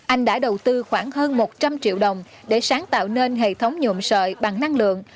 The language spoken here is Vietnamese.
anh đã đầu tư khoảng hơn một trăm linh triệu đồng để sáng tạo nên hệ thống nhuộm sợi bằng năng lượng